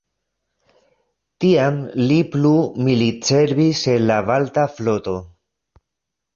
Tiam li plu militservis en la Balta floto.